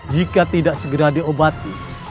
jika tidak segera diobati